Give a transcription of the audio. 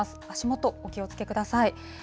足元、お気をつけください。